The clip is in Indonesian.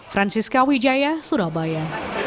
francisca wijaya surabaya